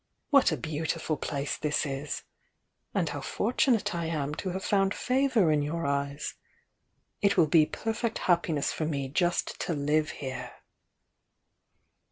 What a beautiful place this is! — and how fortunate I am to have found favour in your eyes! It will be perfect hcppiness for me just to live here!"